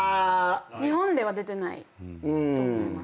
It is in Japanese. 日本では出てないと思います。